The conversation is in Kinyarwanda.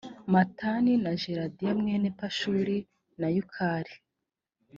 matani na gedaliya mwene pashuri na yukali